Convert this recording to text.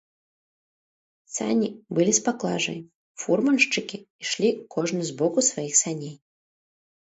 Сані былі з паклажай, фурманшчыкі ішлі кожны з боку сваіх саней.